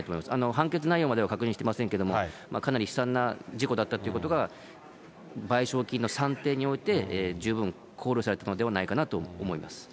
判決内容までは確認してませんけども、かなり悲惨な事故だったということが、賠償金の算定において十分考慮されたのではないかなと思います。